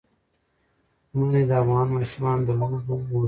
منی د افغان ماشومانو د لوبو موضوع ده.